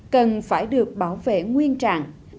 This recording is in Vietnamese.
cần phải được bảo vệ nguyên trạng